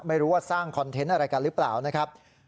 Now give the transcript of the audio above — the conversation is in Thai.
ไม่รู้ว่าสร้างคอนเทนต์อะไรกันหรือเปล่านะครับ